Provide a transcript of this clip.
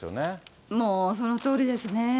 もうそのとおりですね。